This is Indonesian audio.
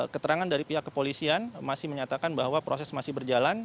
keterangan dari pihak kepolisian masih menyatakan bahwa proses masih berjalan